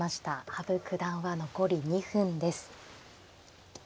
羽生九段は残り２分です。